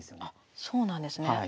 あっそうなんですね。